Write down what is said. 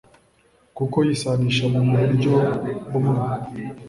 kuko yisanisha mu buryo bumwe